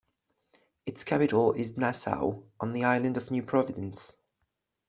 Its capital is Nassau on the island of New Providence.